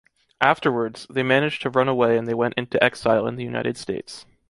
Afterwards, they managed to run away and they went into exile in the United States.